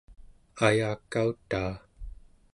ayakautaa